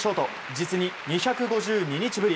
実に２５２日ぶり。